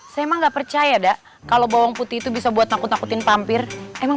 saya enggak percaya dah kalau bawang putih itu bisa buat takut takutin pampir emang